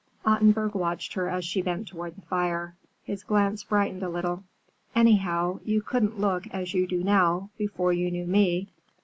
Ottenburg watched her as she bent toward the fire. His glance brightened a little. "Anyhow, you couldn't look as you do now, before you knew me.